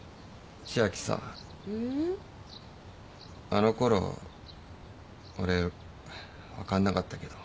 あのころ俺分かんなかったけど。